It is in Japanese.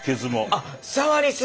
あっ触り過ぎ？